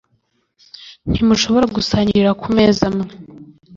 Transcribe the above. ntimushobora gusangirira ku meza amwe